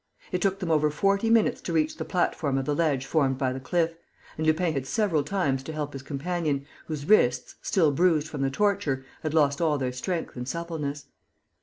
It took them over forty minutes to reach the platform of the ledge formed by the cliff; and Lupin had several times to help his companion, whose wrists, still bruised from the torture, had lost all their strength and suppleness.